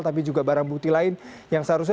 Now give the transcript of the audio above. tapi juga barang bukti lain yang seharusnya